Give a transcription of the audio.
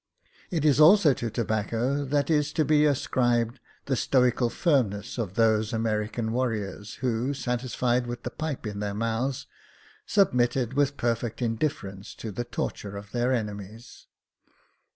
It is also to tobacco that is to be ascribed the stoical firm ness of those American warriors, who, satisfied with the pipe in their mouths, submitted with perfect indifference to the torture of their enemies.